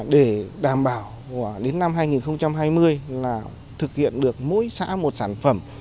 để đảm bảo đến năm hai nghìn hai mươi là thực hiện được mỗi xã một sản phẩm